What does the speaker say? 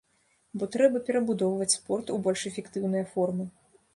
Бо трэба перабудоўваць спорт у больш эфектыўныя формы.